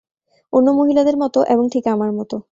অন্য মহিলাদের মত, এবং ঠিক আমার মত।